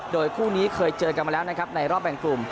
โดยคู่นี้เคยเจอกันมาแล้วนะครับในรอบแบ่งกลุ่ม